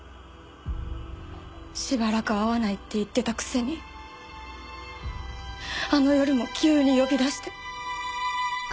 しばらく会わないって言ってたくせにあの夜も急に呼び出して。